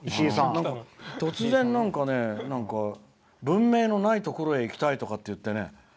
突然、文明のないところへ行きたいとか言ってね